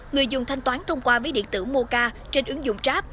người dùng thanh toán thông qua ví điện tử moca trên ứng dụng grab